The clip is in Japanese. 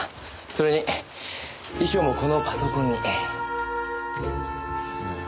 それに遺書もこのパソコンに。